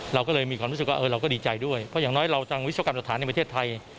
เราก็เลยมีความรู้สึกว่าเราก็ดีใจด้วยเพราะอย่างน้อยเราทางวิศวกรรมสถานในประเทศไทย